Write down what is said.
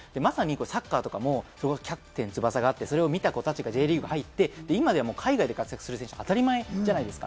サッカーとかも『キャプテン翼』があって、それを見た子たちがＪリーグに入って、今では海外で活躍する選手が当たり前じゃないですか。